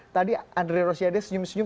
tadi andre rosiade senyum senyum